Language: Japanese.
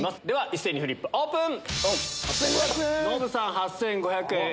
一斉にフリップオープン！